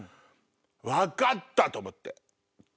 「分かった！」と思って。